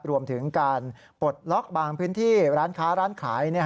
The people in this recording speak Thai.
รวมถึงการปลดล็อกบางพื้นที่ร้านค้าร้านขาย